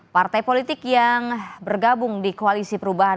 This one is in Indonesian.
partai politik yang bergabung di koalisi perubahan